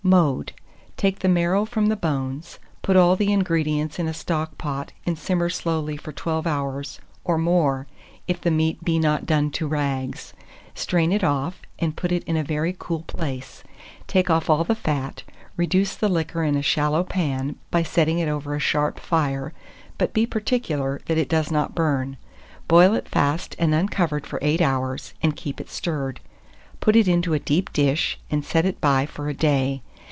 Mode. Take the marrow from the bones; put all the ingredients in a stock pot, and simmer slowly for 12 hours, or more, if the meat be not done to rags; strain it off, and put it in a very cool place; take off all the fat, reduce the liquor in a shallow pan, by setting it over a sharp fire, but be particular that it does not burn; boil it fast and uncovered for 8 hours, and keep it stirred. Put it into a deep dish, and set it by for a day.